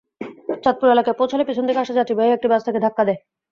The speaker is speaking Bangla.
চাঁদপুর এলাকায় পৌঁছালে পেছন থেকে আসা যাত্রীবাহী একটি বাস তাকে ধাক্কায় দেয়।